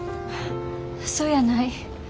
そやない。